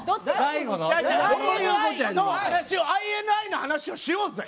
ＩＮＩの話をしようぜ。